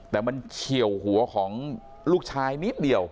แต่มันเฉียวหัวของลูกชายนิดเดียว